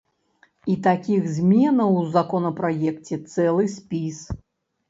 І такіх зменаў ў законапраекце цэлы спіс.